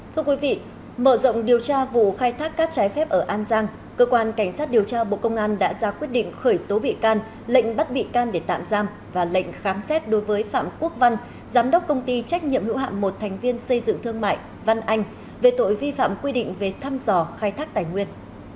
thưa quý vị mở rộng điều tra vụ khai thác cát trái phép ở an giang cơ quan cảnh sát điều tra bộ công an đã ra quyết định khởi tố bị can lệnh bắt bị can để tạm giam và lệnh khám xét đối với phạm quốc văn giám đốc công ty trách nhiệm hữu hạm một thành viên xây dựng thương mại văn anh về tội vi phạm quy định về thăm dò khai thác tài nguyên